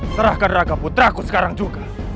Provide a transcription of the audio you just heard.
serahkan raga putra aku sekarang juga